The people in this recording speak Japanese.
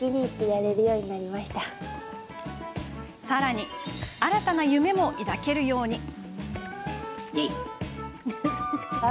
さらに新たな夢も抱けるように。